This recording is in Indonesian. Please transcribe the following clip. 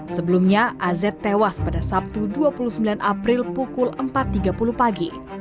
sebelumnya az tewas pada sabtu dua puluh sembilan april pukul empat tiga puluh pagi